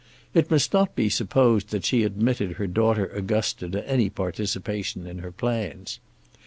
It must not be supposed that she admitted her daughter Augusta to any participation in her plans.